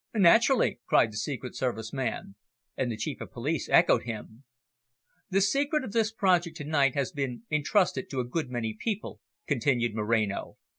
"Naturally," cried the Secret Service man. And the Chief of Police echoed him. "The secret of this project to night has been entrusted to a good many people," continued Moreno.